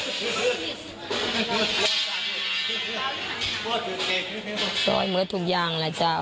ตกโทษเหมือนกับทุกอย่างล่ะจ้ะ